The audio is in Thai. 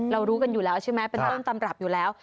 รู้กันอยู่แล้วใช่ไหมเป็นต้นตำรับอยู่แล้ว